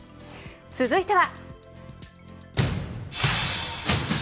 続いては。